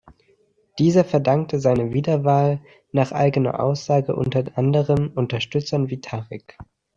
Dieser verdankte seine Wiederwahl nach eigener Aussage unter anderem „Unterstützern wie Tariq“.